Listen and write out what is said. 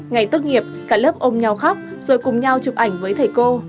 ngày tốt nghiệp cả lớp ôm nhau khóc rồi cùng nhau chụp ảnh với thầy cô